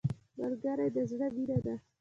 ملګری د زړه مینه ده